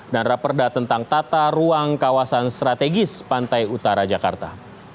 dan raperda tentang tata ruang kawasan strategis pantai utara jakarta